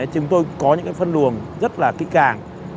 chúng tôi có những phân luồng rất là kỹ càng